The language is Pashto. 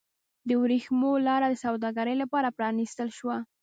د ورېښمو لاره د سوداګرۍ لپاره پرانیستل شوه.